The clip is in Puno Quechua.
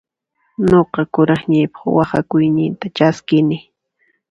Nuqa kuraqniypaq waqhakuyninta chaskini.